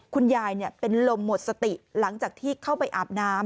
คุณยายเป็นลมหมดสติหลังจากที่เข้าไปอาบน้ำ